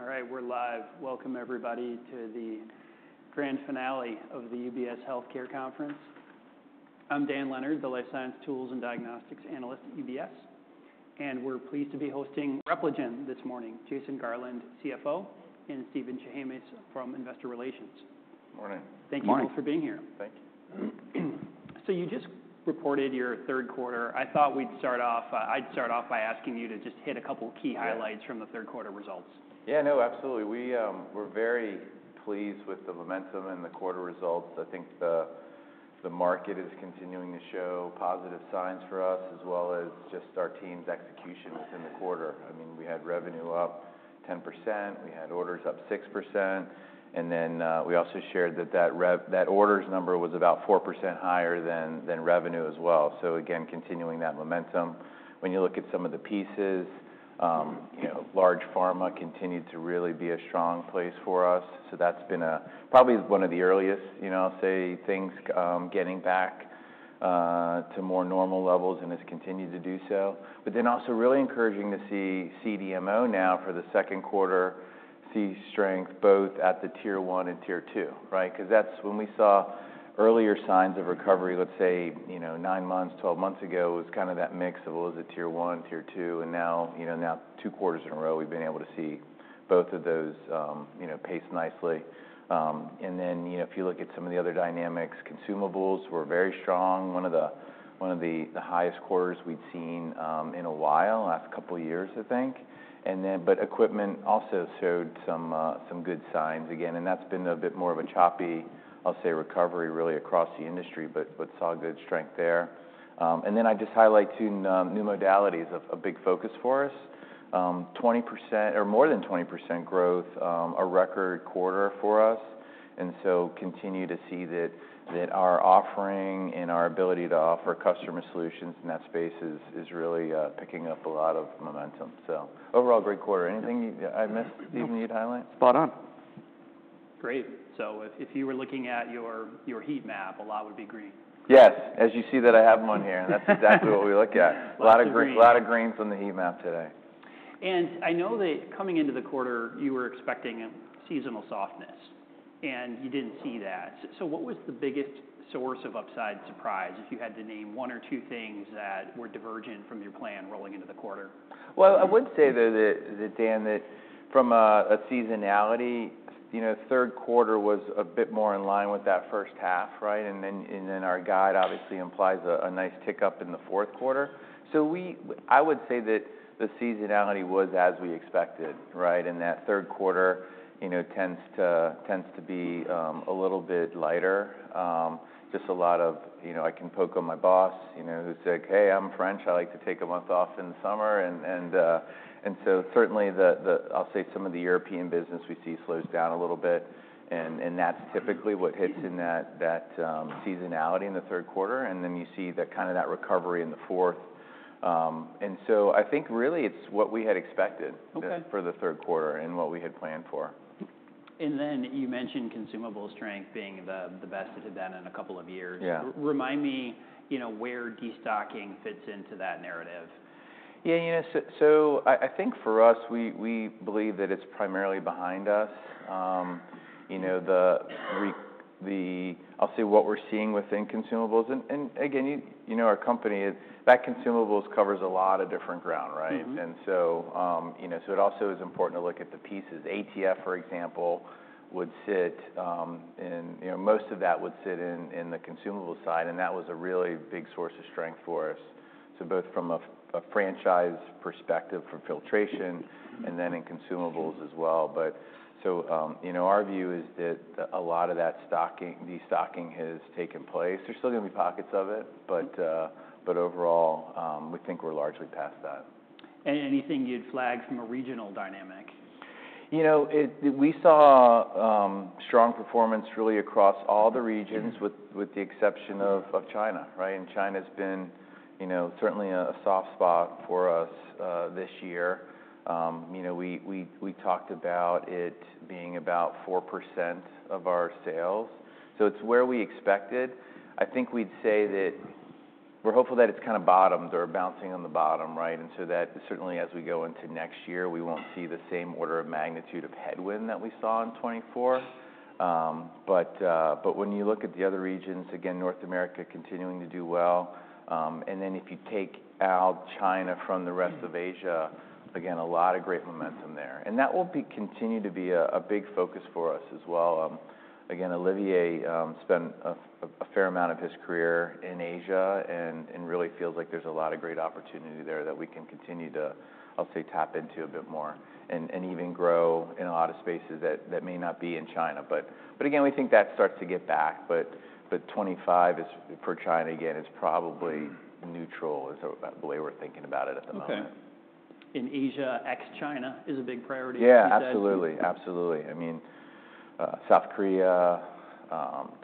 All right, we're live. Welcome, everybody, to the grand finale of the UBS Healthcare Conference. I'm Dan Leonard, the Life Science Tools and Diagnostics Analyst at UBS, and we're pleased to be hosting Repligen this morning, Jason Garland, CFO, and Steven Chehames from Investor Relations. Good morning. Thank you both for being here. Thank you. So you just reported your third quarter. I thought we'd start off, I'd start off by asking you to just hit a couple key highlights from the third quarter results. Yeah, no, absolutely. We were very pleased with the momentum in the quarter results. I think the market is continuing to show positive signs for us, as well as just our team's execution within the quarter. I mean, we had revenue up 10%, we had orders up 6%, and then we also shared that orders number was about 4% higher than revenue as well. So again, continuing that momentum. When you look at some of the pieces, large pharma continued to really be a strong place for us. So that's been probably one of the earliest, you know, say, things getting back to more normal levels and has continued to do so. But then also really encouraging to see CDMO now for the second quarter see strength both at the Tier 1 and Tier 2, right? Because that's when we saw earlier signs of recovery, let's say, you know, nine months, 12 months ago, it was kind of that mix of, well, is it Tier 1, Tier 2, and now, you know, now two quarters in a row we've been able to see both of those pace nicely. And then, you know, if you look at some of the other dynamics, consumables were very strong. One of the highest quarters we'd seen in a while, last couple years, I think. And then, but equipment also showed some good signs again, and that's been a bit more of a choppy, I'll say, recovery really across the industry, but saw good strength there. And then I'd just highlight two new modalities of a big focus for us. 20% or more than 20% growth, a record quarter for us. And so continue to see that our offering and our ability to offer customer solutions in that space is really picking up a lot of momentum. So overall, great quarter. Anything I missed, Steven, you'd highlight? Spot on. Great. So if you were looking at your heat map, a lot would be green. Yes, as you see that I have them on here, and that's exactly what we look at. A lot of greens on the heat map today. I know that coming into the quarter, you were expecting seasonal softness, and you didn't see that. What was the biggest source of upside surprise if you had to name one or two things that were divergent from your plan rolling into the quarter? I would say though that, Dan, that from a seasonality, you know, third quarter was a bit more in line with that first half, right? And then our guide obviously implies a nice tick up in the fourth quarter. So I would say that the seasonality was as we expected, right? And that third quarter, you know, tends to be a little bit lighter. Just a lot of, you know, I can poke on my boss, you know, who said, "Hey, I'm French. I like to take a month off in the summer." And so certainly the, I'll say some of the European business we see slows down a little bit, and that's typically what hits in that seasonality in the third quarter. And then you see that kind of that recovery in the fourth. I think really it's what we had expected for the third quarter and what we had planned for. And then you mentioned consumable strength being the best it had been in a couple of years. Remind me, you know, where destocking fits into that narrative? Yeah, you know, so I think for us, we believe that it's primarily behind us. You know, the, I'll say what we're seeing within consumables. And again, you know, our company, that consumables covers a lot of different ground, right? And so, you know, so it also is important to look at the pieces. ATF, for example, would sit in, you know, most of that would sit in the consumable side, and that was a really big source of strength for us. So both from a franchise perspective for filtration and then in consumables as well. But so, you know, our view is that a lot of that stocking, destocking has taken place. There's still going to be pockets of it, but overall, we think we're largely past that. Anything you'd flag from a regional dynamic? You know, we saw strong performance really across all the regions with the exception of China, right? And China has been, you know, certainly a soft spot for us this year. You know, we talked about it being about 4% of our sales. So it's where we expected. I think we'd say that we're hopeful that it's kind of bottomed or bouncing on the bottom, right? And so that certainly as we go into next year, we won't see the same order of magnitude of headwind that we saw in 2024. But when you look at the other regions, again, North America continuing to do well. And then if you take out China from the rest of Asia, again, a lot of great momentum there. And that will continue to be a big focus for us as well. Again, Olivier spent a fair amount of his career in Asia and really feels like there's a lot of great opportunity there that we can continue to, I'll say, tap into a bit more and even grow in a lot of spaces that may not be in China. But again, we think that starts to get back. But 2025 is for China, again. It's probably neutral, is the way we're thinking about it at the moment. Okay, and Asia ex-China is a big priority for you guys? Yeah, absolutely. Absolutely. I mean, South Korea,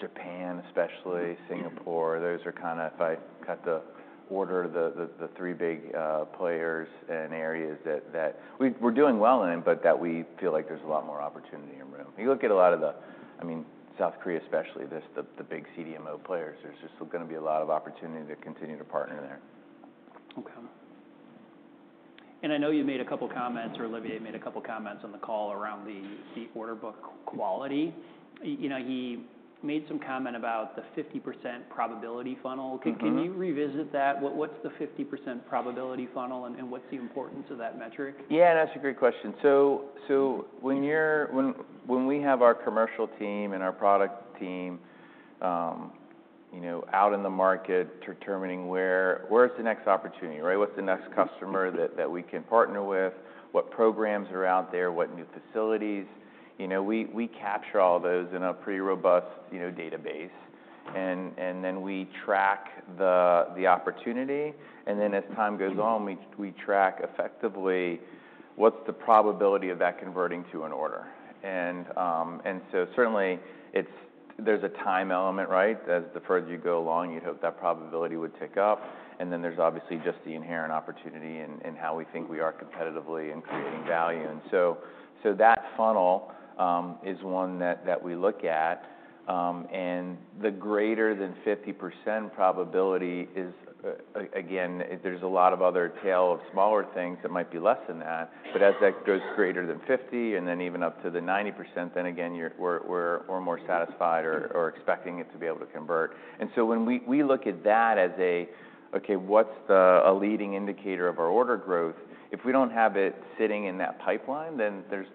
Japan especially, Singapore, those are kind of, if I cut the order, the three big players and areas that we're doing well in, but that we feel like there's a lot more opportunity in room. You look at a lot of the, I mean, South Korea especially, the big CDMO players, there's just going to be a lot of opportunity to continue to partner there. Okay. And I know you made a couple comments, or Olivier made a couple comments on the call around the order book quality. You know, he made some comment about the 50% probability funnel. Can you revisit that? What's the 50% probability funnel and what's the importance of that metric? Yeah, and that's a great question. So when we have our commercial team and our product team, you know, out in the market determining where's the next opportunity, right? What's the next customer that we can partner with? What programs are out there? What new facilities? You know, we capture all those in a pretty robust, you know, database. And then we track the opportunity. And then as time goes on, we track effectively what's the probability of that converting to an order. And so certainly there's a time element, right? As the further you go along, you'd hope that probability would tick up. And then there's obviously just the inherent opportunity in how we think we are competitively and creating value. And so that funnel is one that we look at. And the greater than 50% probability is, again, there's a lot of other tail of smaller things that might be less than that. But as that goes greater than 50% and then even up to the 90%, then again, we're more satisfied or expecting it to be able to convert. And so when we look at that as a, okay, what's the leading indicator of our order growth, if we don't have it sitting in that pipeline, then there's,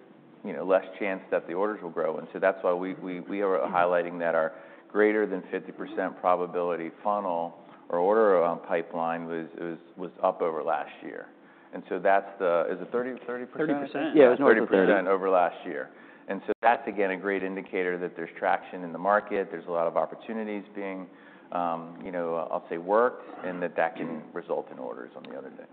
you know, less chance that the orders will grow. And so that's why we are highlighting that our greater than 50% probability funnel or order pipeline was up over last year. And so that's the, is it 30%? 30%. Yeah, it was over last year, and so that's again a great indicator that there's traction in the market. There's a lot of opportunities being, you know, I'll say worked, and that can result in orders on the other day.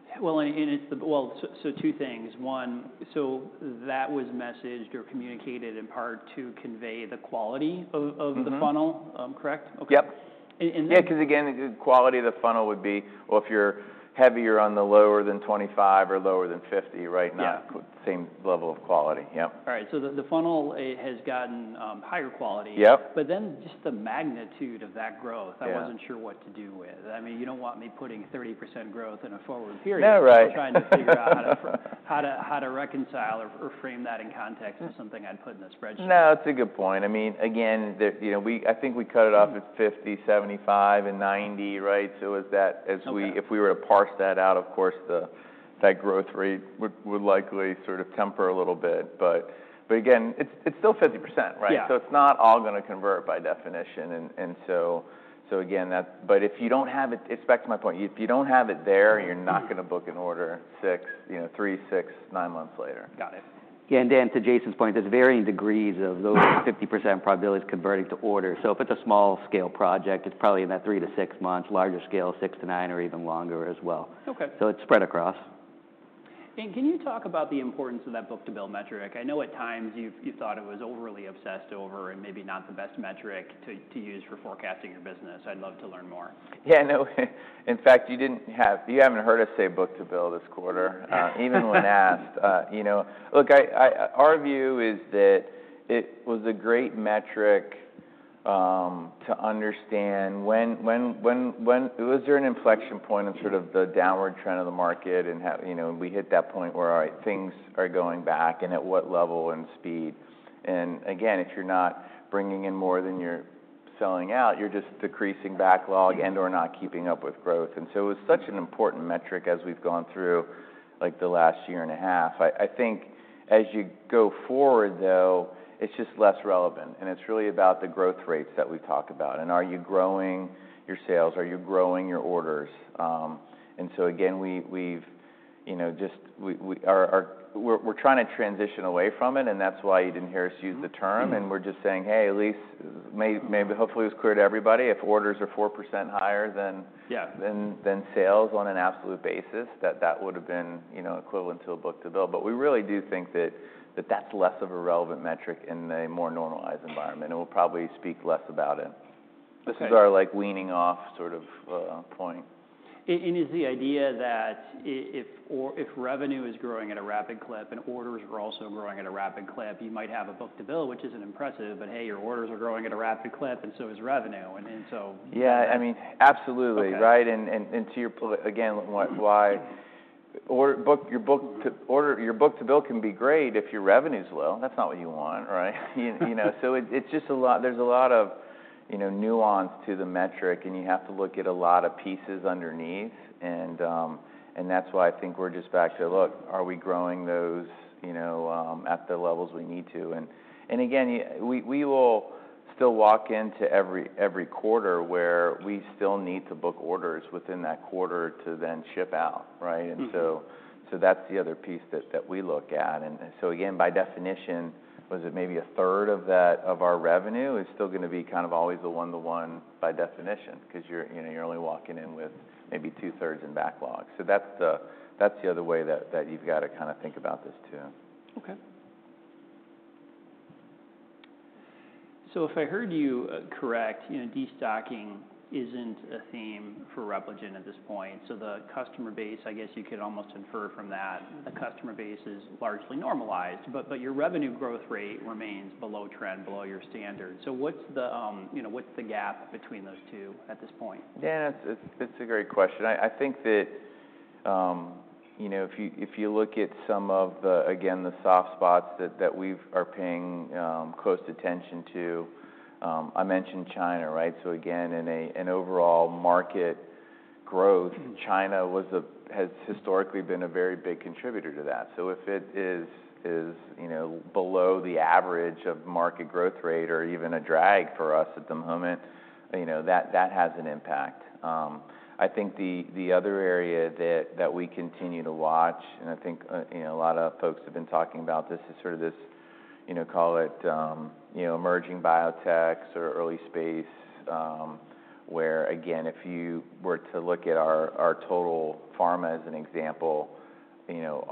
Two things. One, so that was messaged or communicated in part to convey the quality of the funnel, correct? Yep. Yeah, because again, the quality of the funnel would be, well, if you're heavier on the lower than 25% or lower than 50%, right? Not same level of quality. Yep. All right. So the funnel has gotten higher quality. Yep. But then just the magnitude of that growth, I wasn't sure what to do with. I mean, you don't want me putting 30% growth in a forward period. Yeah, right. I'm trying to figure out how to reconcile or frame that in context of something I'd put in a spreadsheet. No, that's a good point. I mean, again, you know, I think we cut it off at 50%, 75%, and 90%, right? So as that, if we were to parse that out, of course, that growth rate would likely sort of temper a little bit. But again, it's still 50%, right? So it's not all going to convert by definition. And so again, that, but if you don't have it, it's back to my point. If you don't have it there, you're not going to book an order six, you know, three, six, nine months later. Got it. Yeah, and Dan, to Jason's point, there's varying degrees of those 50% probabilities converting to orders. So if it's a small scale project, it's probably in that three to six months, larger scale, six to nine or even longer as well. So it's spread across. Can you talk about the importance of that book-to-bill metric? I know at times you thought it was overly obsessed over and maybe not the best metric to use for forecasting your business. I'd love to learn more. Yeah, no, in fact, you didn't have, you haven't heard us say book-to-bill this quarter. Even when asked, you know, look, our view is that it was a great metric to understand when was there an inflection point in sort of the downward trend of the market and how, you know, we hit that point where, all right, things are going back and at what level and speed. And again, if you're not bringing in more than you're selling out, you're just decreasing backlog and/or not keeping up with growth. And so it was such an important metric as we've gone through like the last year and a half. I think as you go forward though, it's just less relevant. And it's really about the growth rates that we talk about. And are you growing your sales? Are you growing your orders? And so again, we've, you know, just, we're trying to transition away from it. And that's why you didn't hear us use the term. And we're just saying, hey, at least maybe hopefully it was clear to everybody. If orders are 4% higher than sales on an absolute basis, that that would have been, you know, equivalent to a book-to-bill. But we really do think that that's less of a relevant metric in a more normalized environment. And we'll probably speak less about it. This is our like weaning off sort of point. Is the idea that if revenue is growing at a rapid clip and orders are also growing at a rapid clip, you might have a book-to-bill, which isn't impressive, but hey, your orders are growing at a rapid clip and so is revenue. And so. Yeah, I mean, absolutely, right? And to your point, again, why your book-to-bill can be great if your revenue's low. That's not what you want, right? You know, so it's just a lot, there's a lot of, you know, nuance to the metric and you have to look at a lot of pieces underneath. And that's why I think we're just back to, look, are we growing those, you know, at the levels we need to? And again, we will still walk into every quarter where we still need to book orders within that quarter to then ship out, right? And so that's the other piece that we look at. And so, again, by definition, was it maybe a third of that of our revenue is still going to be kind of always the one-to-one by definition because you're, you know, you're only walking in with maybe two-thirds in backlog. So that's the other way that you've got to kind of think about this too. Okay. So if I heard you correctly, you know, destocking isn't a theme for Repligen at this point. So the customer base, I guess you could almost infer from that, the customer base is largely normalized, but your revenue growth rate remains below trend, below your standard. So what's the, you know, what's the gap between those two at this point? Dan, it's a great question. I think that, you know, if you look at some of the, again, the soft spots that we are paying close attention to, I mentioned China, right? So again, in an overall market growth, China has historically been a very big contributor to that. So if it is, you know, below the average of market growth rate or even a drag for us at the moment, you know, that has an impact. I think the other area that we continue to watch, and I think, you know, a lot of folks have been talking about this is sort of this, you know, call it, you know, emerging biotechs or early space, where again, if you were to look at our total pharma as an example, you know,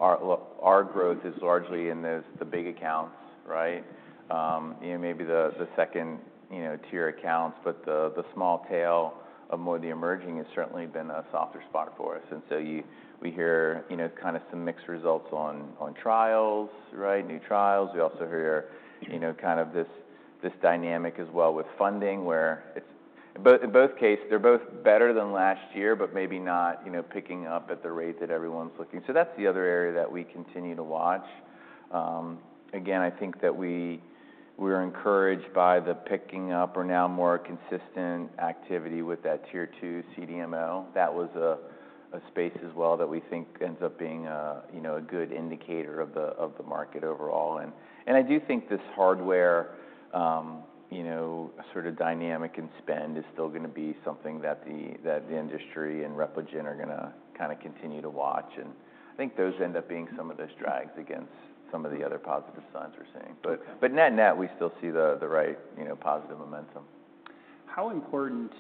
our growth is largely in the big accounts, right? You know, maybe the second, you know, tier accounts, but the small tail of more of the emerging has certainly been a softer spot for us. And so we hear, you know, kind of some mixed results on trials, right? New trials. We also hear, you know, kind of this dynamic as well with funding where it's, in both cases, they're both better than last year, but maybe not, you know, picking up at the rate that everyone's looking. So that's the other area that we continue to watch. Again, I think that we were encouraged by the picking up or now more consistent activity with that Tier 2 CDMO. That was a space as well that we think ends up being, you know, a good indicator of the market overall. And I do think this hardware, you know, sort of dynamic and spend is still going to be something that the industry and Repligen are going to kind of continue to watch. And I think those end up being some of those drags against some of the other positive signs we're seeing. But net-net, we still see the right, you know, positive momentum. How important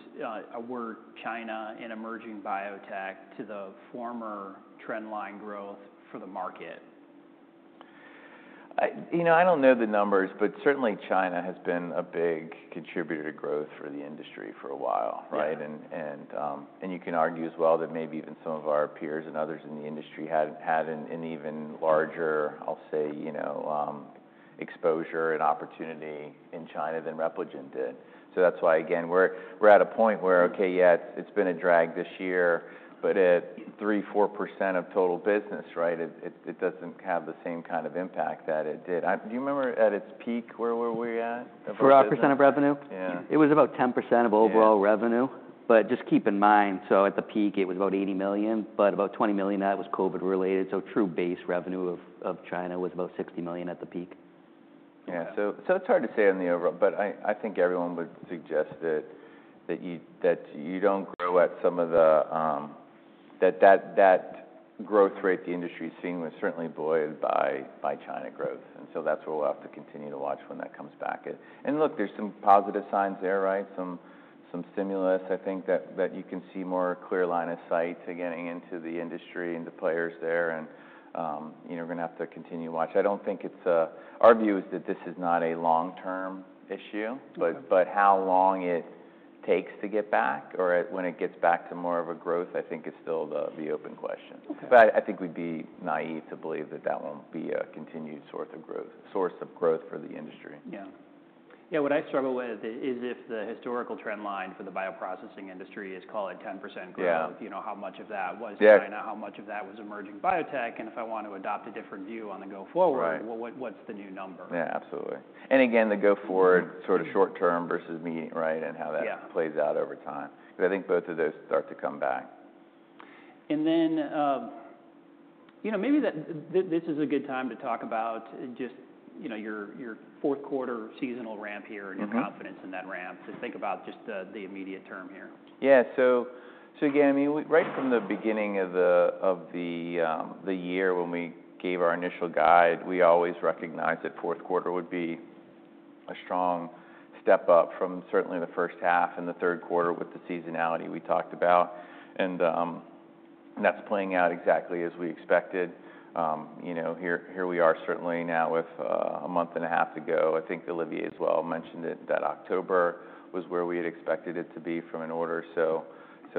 were China and emerging biotech to the former trendline growth for the market? You know, I don't know the numbers, but certainly China has been a big contributor to growth for the industry for a while, right? And you can argue as well that maybe even some of our peers and others in the industry had an even larger, I'll say, you know, exposure and opportunity in China than Repligen did. So that's why again, we're at a point where, okay, yeah, it's been a drag this year, but at 3%-4% of total business, right? It doesn't have the same kind of impact that it did. Do you remember at its peak where we were at? For our percent of revenue? Yeah. It was about 10% of overall revenue. But just keep in mind, so at the peak, it was about $80 million, but about $20 million of that was COVID-related. So true base revenue of China was about $60 million at the peak. Yeah. So it's hard to say on the overall, but I think everyone would suggest that you don't grow at some of the, that the growth rate the industry is seeing was certainly buoyed by China growth. And so that's what we'll have to continue to watch when that comes back. And look, there's some positive signs there, right? Some stimulus, I think that you can see more clear line of sight to getting into the industry and the players there. And, you know, we're going to have to continue to watch. I don't think it's, our view is that this is not a long-term issue, but how long it takes to get back or when it gets back to more of a growth, I think is still the open question. But I think we'd be naive to believe that that won't be a continued source of growth for the industry. Yeah. Yeah. What I struggle with is if the historical trendline for the bioprocessing industry is call it 10% growth, you know, how much of that was China, how much of that was emerging biotech, and if I want to adopt a different view on the go forward, what's the new number? Yeah, absolutely. And again, the go-forward sort of short-term versus medium-term, right? And how that plays out over time. But I think both of those start to come back. And then, you know, maybe this is a good time to talk about just, you know, your fourth quarter seasonal ramp here and your confidence in that ramp to think about just the immediate term here. Yeah. So again, I mean, right from the beginning of the year when we gave our initial guide, we always recognized that fourth quarter would be a strong step up from certainly the first half and the third quarter with the seasonality we talked about. And that's playing out exactly as we expected. You know, here we are certainly now with a month and a half to go. I think Olivier as well mentioned that October was where we had expected it to be from an order. So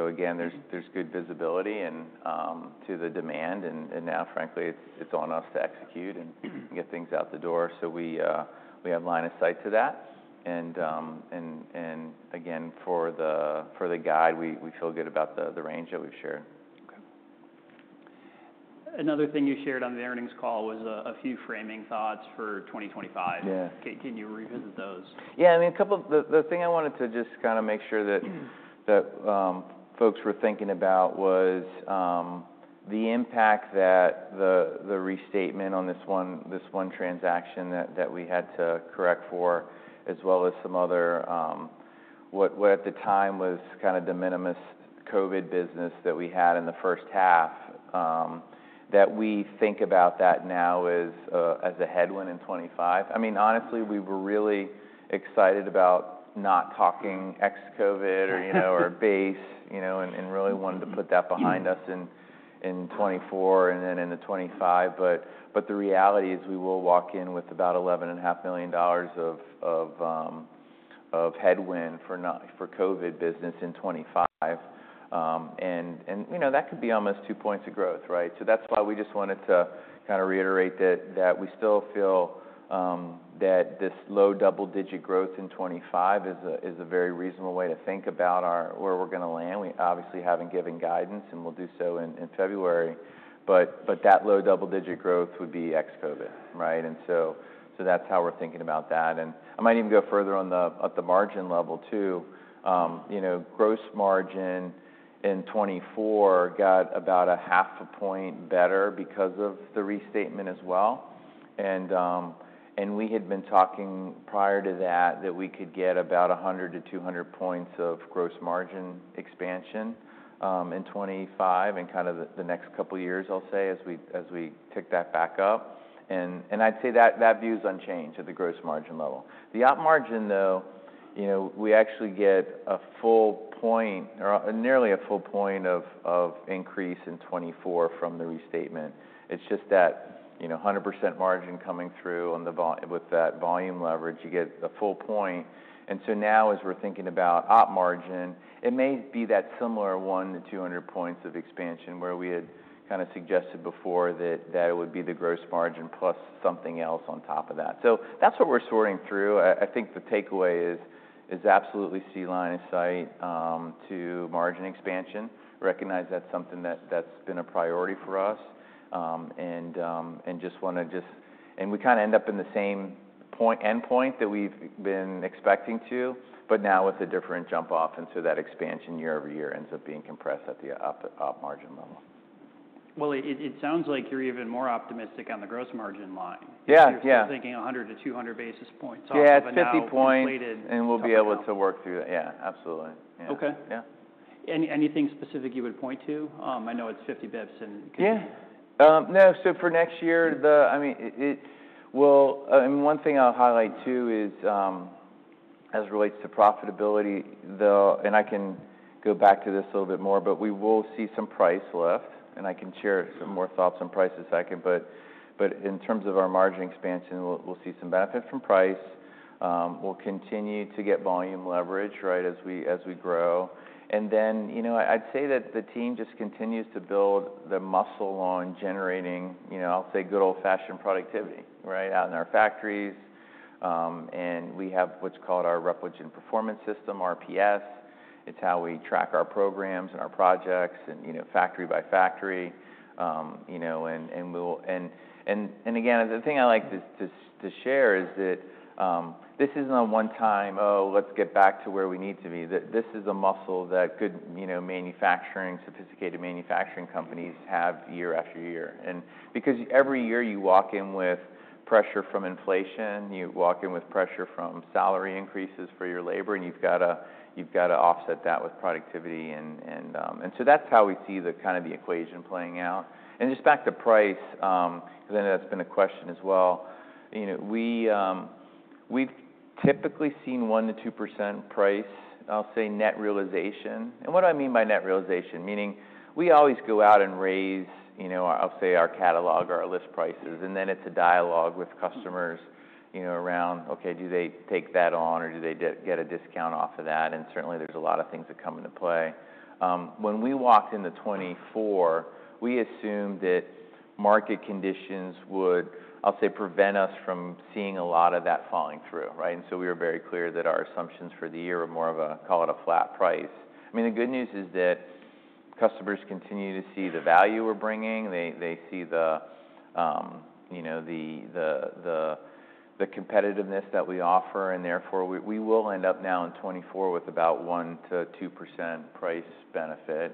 again, there's good visibility to the demand. And now frankly, it's on us to execute and get things out the door. So we have line of sight to that. And again, for the guide, we feel good about the range that we've shared. Okay. Another thing you shared on the earnings call was a few framing thoughts for 2025. Yeah. Can you revisit those? Yeah. I mean, a couple of the things I wanted to just kind of make sure that folks were thinking about was the impact that the restatement on this one transaction that we had to correct for, as well as some other what at the time was kind of de minimis COVID business that we had in the first half, that we think about that now as a headwind in 2025. I mean, honestly, we were really excited about not talking ex-COVID or, you know, or base, you know, and really wanted to put that behind us in 2024 and then in the 2025. But the reality is we will walk in with about $11.5 million of headwind for COVID business in 2025. And you know, that could be almost two points of growth, right? That's why we just wanted to kind of reiterate that we still feel that this low double-digit growth in 2025 is a very reasonable way to think about where we're going to land. We obviously haven't given guidance and we'll do so in February. But that low double-digit growth would be ex-COVID, right? And so that's how we're thinking about that. And I might even go further on the margin level too. You know, gross margin in 2024 got about a half a point better because of the restatement as well. And we had been talking prior to that that we could get about 100-200 points of gross margin expansion in 2025 and kind of the next couple of years, I'll say, as we tick that back up. And I'd say that view is unchanged at the gross margin level. The op margin though, you know, we actually get a full point or nearly a full point of increase in 2024 from the restatement. It's just that, you know, 100% margin coming through on the with that volume leverage, you get a full point. And so now as we're thinking about op margin, it may be that similar one to 200 points of expansion where we had kind of suggested before that it would be the gross margin plus something else on top of that. So that's what we're sorting through. I think the takeaway is absolutely see line of sight to margin expansion. Recognize that's something that's been a priority for us. And just want to, and we kind of end up in the same point end point that we've been expecting to, but now with a different jump off. And so that expansion year-over-year ends up being compressed at the operating margin level. It sounds like you're even more optimistic on the gross margin line. Yeah. Yeah. Instead of thinking 100-200 basis points off. Yeah. It's 50 points. We'll be able to work through that. Yeah. Absolutely. Yeah. Yeah. Okay. Anything specific you would point to? I know it's 50 basis points and. Yeah. No. So for next year, I mean, it will. I mean, one thing I'll highlight too is as it relates to profitability though, and I can go back to this a little bit more, but we will see some price lift. And I can share some more thoughts on price this second. But in terms of our margin expansion, we'll see some benefit from price. We'll continue to get volume leverage, right, as we grow. And then, you know, I'd say that the team just continues to build the muscle on generating, you know, I'll say good old-fashioned productivity, right, out in our factories. And we have what's called our Repligen Performance System, RPS. It's how we track our programs and our projects and, you know, factory by factory, you know, and we'll, and again, the thing I like to share is that this isn't a one-time, oh, let's get back to where we need to be. This is a muscle that good, you know, manufacturing, sophisticated manufacturing companies have year after year. And because every year you walk in with pressure from inflation, you walk in with pressure from salary increases for your labor, and you've got to offset that with productivity. And so that's how we see the kind of the equation playing out. And just back to price, because I know that's been a question as well. You know, we've typically seen 1%-2% price, I'll say net realization. And what do I mean by net realization? Meaning we always go out and raise, you know, I'll say our catalog or our list prices, and then it's a dialogue with customers, you know, around, okay, do they take that on or do they get a discount off of that? And certainly there's a lot of things that come into play. When we walked in the 2024, we assumed that market conditions would, I'll say, prevent us from seeing a lot of that falling through, right? And so we were very clear that our assumptions for the year were more of a, call it a flat price. I mean, the good news is that customers continue to see the value we're bringing. They see the, you know, the competitiveness that we offer. And therefore, we will end up now in 2024 with about 1%-2% price benefit.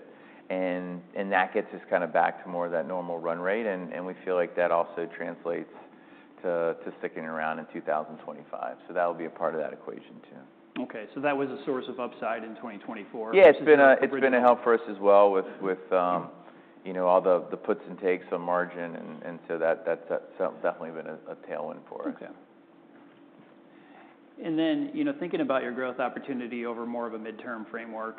And that gets us kind of back to more of that normal run rate. And we feel like that also translates to sticking around in 2025. So that will be a part of that equation too. Okay, so that was a source of upside in 2024. Yeah. It's been a help for us as well with, you know, all the puts and takes on margin. And so that's definitely been a tailwind for us. Thanks. And then, you know, thinking about your growth opportunity over more of a midterm framework,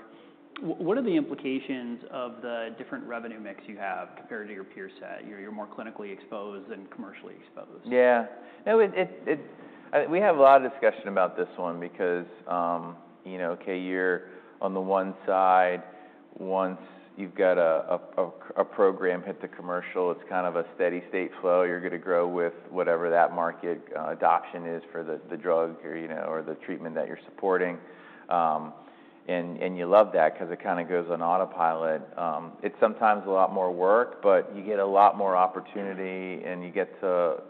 what are the implications of the different revenue mix you have compared to your peer set? You're more clinically exposed and commercially exposed. Yeah. No, we have a lot of discussion about this one because, you know, okay, you're on the one side, once you've got a program hit the commercial, it's kind of a steady state flow. You're going to grow with whatever that market adoption is for the drug or, you know, or the treatment that you're supporting. And you love that because it kind of goes on autopilot. It's sometimes a lot more work, but you get a lot more opportunity and you get to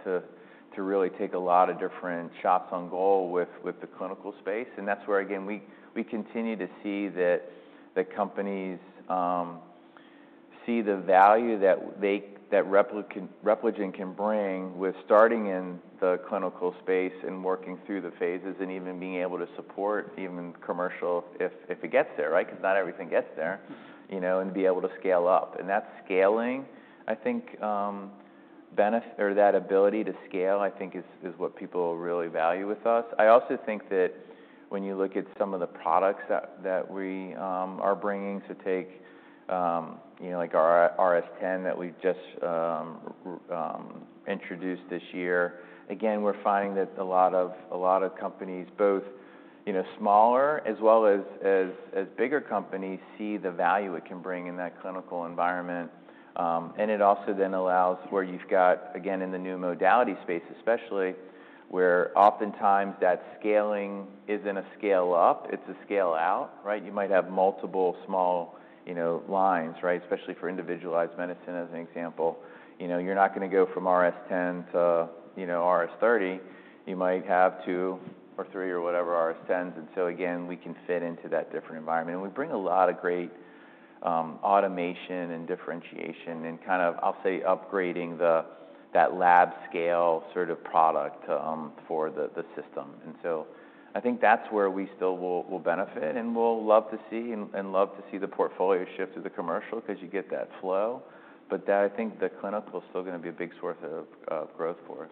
really take a lot of different shots on goal with the clinical space. And that's where, again, we continue to see that companies see the value that Repligen can bring with starting in the clinical space and working through the phases and even being able to support even commercial if it gets there, right? Because not everything gets there, you know, and be able to scale up. And that scaling, I think, or that ability to scale, I think is what people really value with us. I also think that when you look at some of the products that we are bringing to market, you know, like our RS 10 that we just introduced this year, again, we're finding that a lot of companies, both, you know, smaller as well as bigger companies see the value it can bring in that clinical environment. And it also then allows where you've got, again, in the new modality space, especially where oftentimes that scaling isn't a scale up, it's a scale out, right? You might have multiple small, you know, lines, right? Especially for individualized medicine as an example. You know, you're not going to go from RS 10 to, you know, RS 30. You might have two or three or whatever RS 10s. And so again, we can fit into that different environment. And we bring a lot of great automation and differentiation and kind of, I'll say, upgrading that lab scale sort of product for the system. And so I think that's where we still will benefit. And we'll love to see the portfolio shift to the commercial because you get that flow. But I think the clinical is still going to be a big source of growth for us.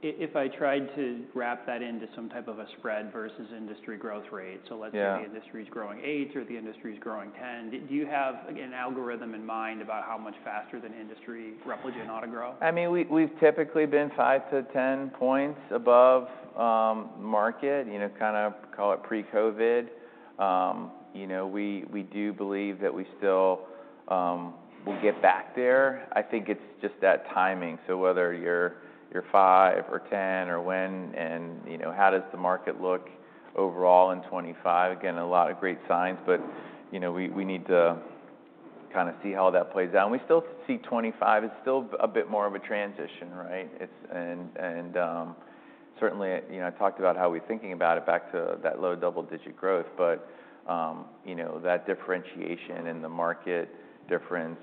Okay. If I tried to wrap that into some type of a spread versus industry growth rate, so let's say the industry is growing eight or the industry is growing 10, do you have an algorithm in mind about how much faster than industry Repligen ought to grow? I mean, we've typically been five to 10 points above market, you know, kind of call it pre-COVID. You know, we do believe that we still will get back there. I think it's just that timing. So whether you're five or 10 or when and, you know, how does the market look overall in 2025, again, a lot of great signs. But, you know, we need to kind of see how that plays out. And we still see 2025 is still a bit more of a transition, right? And certainly, you know, I talked about how we're thinking about it back to that low double-digit growth. But, you know, that differentiation and the market difference,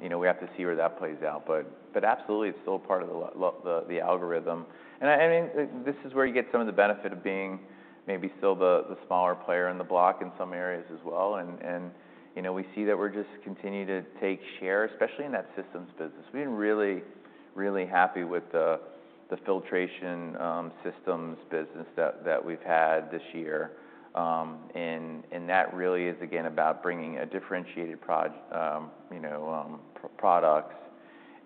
you know, we have to see where that plays out. But absolutely, it's still part of the algorithm. And I mean, this is where you get some of the benefit of being maybe still the smaller player in the block in some areas as well. And, you know, we see that we're just continuing to take share, especially in that systems business. We've been really, really happy with the filtration systems business that we've had this year. And that really is, again, about bringing a differentiated, you know, products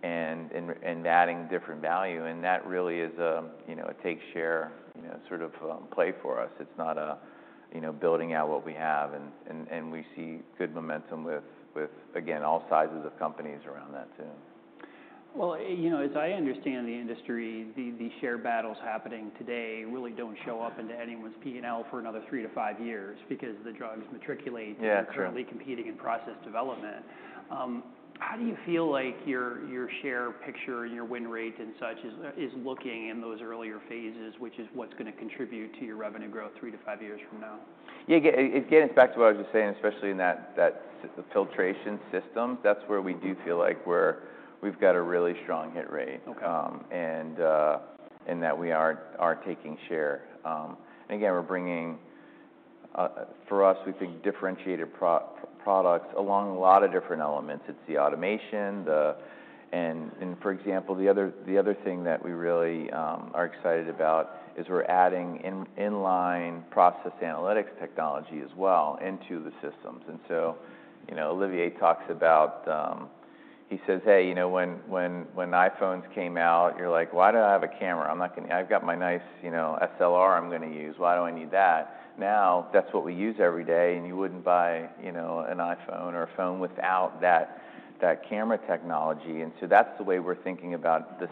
and adding different value. And that really is a, you know, a take share, you know, sort of play for us. It's not a, you know, building out what we have. And we see good momentum with, again, all sizes of companies around that too. You know, as I understand the industry, the share battles happening today really don't show up in anyone's P&L for another three to five years because the drugs matriculate to currently competing in process development. How do you feel like your share picture and your win rate and such is looking in those earlier phases, which is what's going to contribute to your revenue growth three to five years from now? Yeah. Again, it's back to what I was just saying, especially in that filtration system. That's where we do feel like we've got a really strong hit rate. And that we are taking share. And again, we're bringing, for us, we think differentiated products along a lot of different elements. It's the automation. And for example, the other thing that we really are excited about is we're adding in-line process analytics technology as well into the systems. And so, you know, Olivier talks about, he says, "Hey, you know, when iPhones came out, you're like, 'Why do I have a camera? I'm not going to, I've got my nice, you know, SLR I'm going to use. Why do I need that?'" Now, that's what we use every day. And you wouldn't buy, you know, an iPhone or a phone without that camera technology. And so that's the way we're thinking about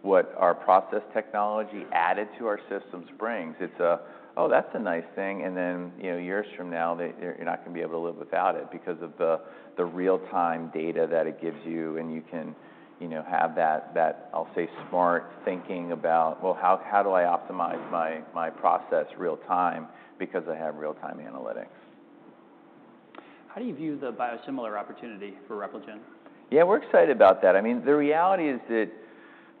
what our process technology added to our systems brings. It's a, "Oh, that's a nice thing." And then, you know, years from now, you're not going to be able to live without it because of the real-time data that it gives you. And you can, you know, have that, I'll say, smart thinking about, "Well, how do I optimize my process real-time because I have real-time analytics? How do you view the biosimilar opportunity for Repligen? Yeah. We're excited about that. I mean, the reality is that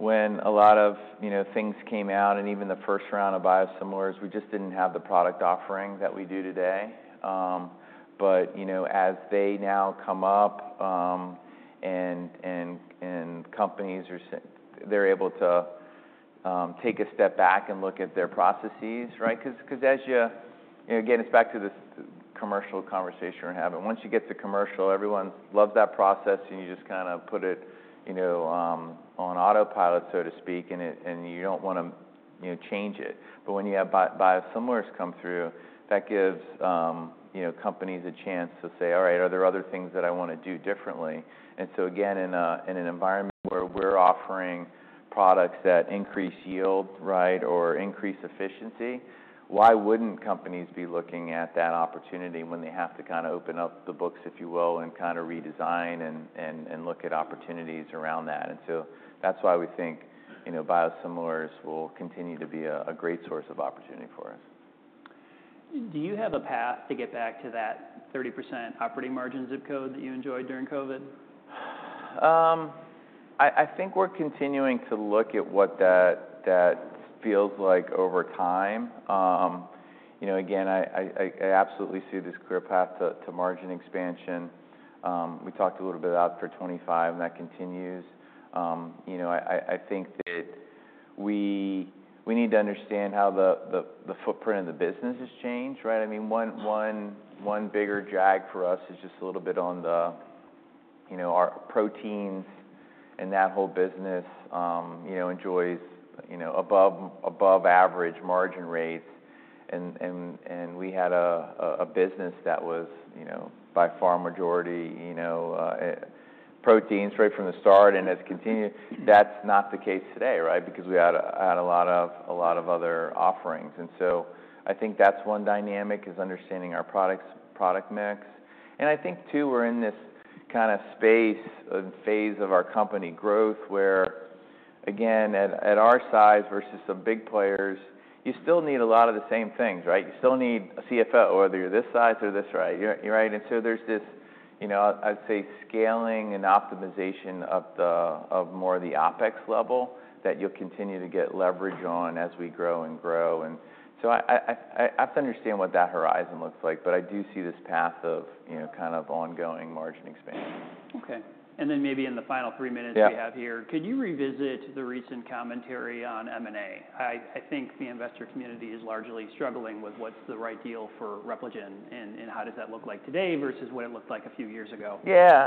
when a lot of, you know, things came out and even the first round of biosimilars, we just didn't have the product offering that we do today. But, you know, as they now come up and companies, they're able to take a step back and look at their processes, right? Because as you, you know, again, it's back to the commercial conversation we're having. Once you get to commercial, everyone loves that process and you just kind of put it, you know, on autopilot, so to speak, and you don't want to change it. But when you have biosimilars come through, that gives, you know, companies a chance to say, "All right, are there other things that I want to do differently?" And so again, in an environment where we're offering products that increase yield, right, or increase efficiency, why wouldn't companies be looking at that opportunity when they have to kind of open up the books, if you will, and kind of redesign and look at opportunities around that? And so that's why we think, you know, biosimilars will continue to be a great source of opportunity for us. Do you have a path to get back to that 30% operating margin zip code that you enjoyed during COVID? I think we're continuing to look at what that feels like over time. You know, again, I absolutely see this clear path to margin expansion. We talked a little bit about for 2025 and that continues. You know, I think that we need to understand how the footprint of the business has changed, right? I mean, one bigger drag for us is just a little bit on the, you know, our proteins and that whole business, you know, enjoys, you know, above average margin rates. And we had a business that was, you know, by far majority, you know, proteins right from the start and has continued. That's not the case today, right? Because we had a lot of other offerings. And so I think that's one dynamic is understanding our product mix. I think too we're in this kind of space and phase of our company growth where, again, at our size versus some big players, you still need a lot of the same things, right? You still need a CFO, whether you're this size or this, right? You're right. And so there's this, you know, I'd say scaling and optimization of more of the OpEx level that you'll continue to get leverage on as we grow and grow. And so I have to understand what that horizon looks like, but I do see this path of, you know, kind of ongoing margin expansion. Okay. And then maybe in the final three minutes we have here, could you revisit the recent commentary on M&A? I think the investor community is largely struggling with what's the right deal for Repligen and how does that look like today versus what it looked like a few years ago? Yeah.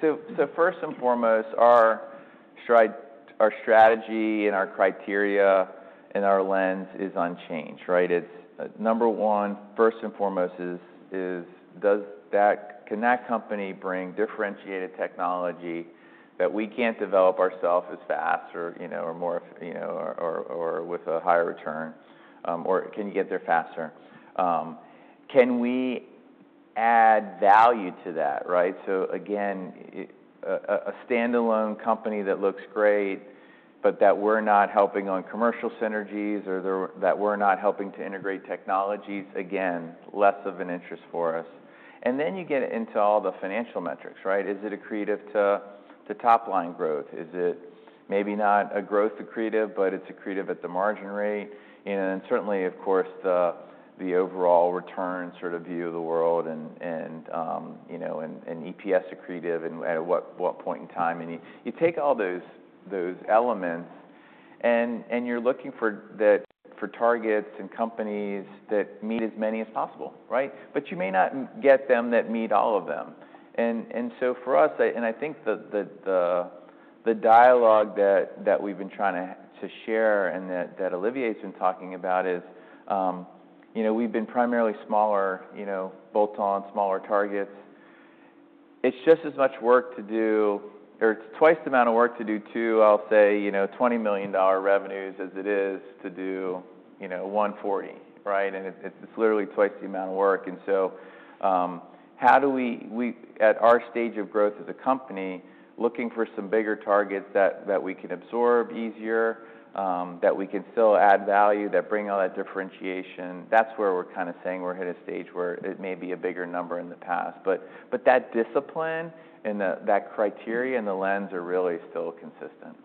So first and foremost, our strategy and our criteria and our lens is unchanged, right? It's number one, first and foremost is, can that company bring differentiated technology that we can't develop ourself as fast or, you know, with a higher return? Or can you get there faster? Can we add value to that, right? So again, a standalone company that looks great, but that we're not helping on commercial synergies or that we're not helping to integrate technologies, again, less of an interest for us. And then you get into all the financial metrics, right? Is it accretive to top line growth? Is it maybe not a growth accretive, but it's accretive at the margin rate? And certainly, of course, the overall return sort of view of the world and, you know, an EPS accretive and at what point in time. And you take all those elements and you're looking for targets and companies that meet as many as possible, right? But you may not get them that meet all of them. And so for us, and I think the dialogue that we've been trying to share and that Olivier's been talking about is, you know, we've been primarily smaller, you know, bolt-on, smaller targets. It's just as much work to do, or it's twice the amount of work to do to, I'll say, you know, $20 million revenues as it is to do, you know, $140, right? And it's literally twice the amount of work. And so how do we, at our stage of growth as a company, looking for some bigger targets that we can absorb easier, that we can still add value, that bring all that differentiation? That's where we're kind of saying we're at a stage where it may be a bigger number in the past. But that discipline and that criteria and the lens are really still consistent.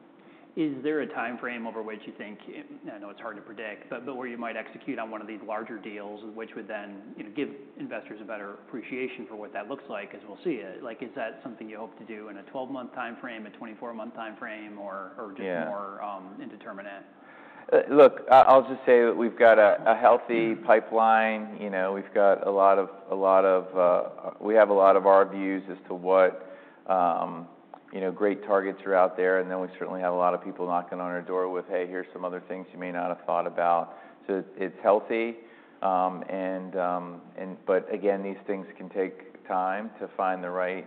Is there a timeframe over which you think, I know it's hard to predict, but where you might execute on one of these larger deals which would then, you know, give investors a better appreciation for what that looks like as we'll see it? Like, is that something you hope to do in a 12-month timeframe, a 24-month timeframe, or just more indeterminate? Look, I'll just say that we've got a healthy pipeline. You know, we've got a lot of, we have a lot of our views as to what, you know, great targets are out there. And then we certainly have a lot of people knocking on our door with, "Hey, here's some other things you may not have thought about." So it's healthy. And, but again, these things can take time to find the right,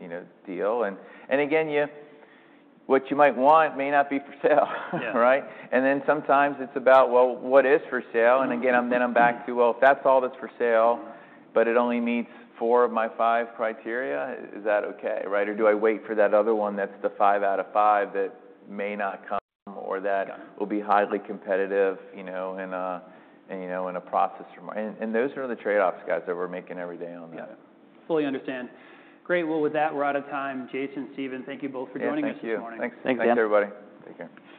you know, deal. And again, what you might want may not be for sale, right? And then sometimes it's about, well, what is for sale? And again, then I'm back to, well, if that's all that's for sale, but it only meets four of my five criteria, is that okay, right? Or do I wait for that other one that's the five out of five that may not come or that will be highly competitive, you know, in a process? And those are the trade-offs, guys, that we're making every day on that. Fully understand. Great. Well, with that, we're out of time. Jason, Steven, thank you both for joining us this morning. Thanks, guys. Thanks, everybody. Take care.